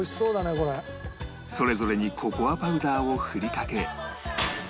それぞれにココアパウダーを振りかけ